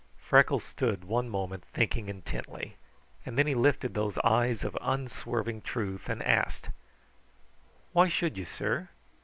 Freckles stood one moment thinking intently, and then he lifted those eyes of unswerving truth and asked: "Why should you, sir?